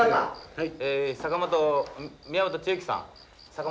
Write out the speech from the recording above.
はい。